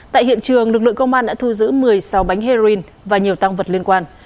tại hiện trường lực lượng công an đã thu giữ một mươi sáu bánh heroin và nhiều tăng vật liên quan